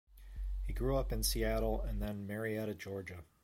He grew up in Seattle and then Marietta, Georgia.